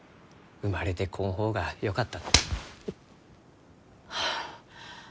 「生まれてこん方がよかった」